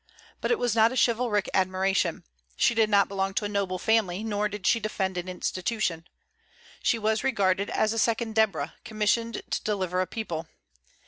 But it was not a chivalric admiration; she did not belong to a noble family, nor did she defend an institution. She was regarded as a second Deborah, commissioned to deliver a people.